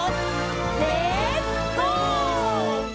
「レッツ・ゴー！」